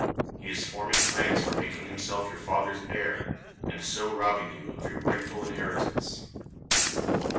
He is forming plans for making himself your father's heir, and so robbing you of your rightful inheritance."